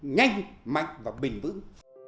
nhanh mạnh và bình bướng